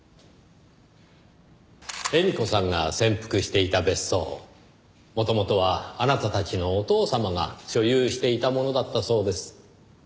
絵美子さんが潜伏していた別荘元々はあなたたちのお父様が所有していたものだったそうです。